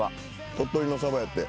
鳥取のサバやって。